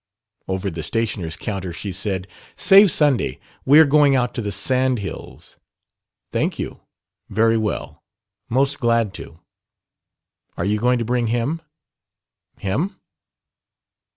Over the stationer's counter she said: "Save Sunday. We are going out to the sand hills." "Thank you. Very well. Most glad to." "And you are to bring him." "Him?"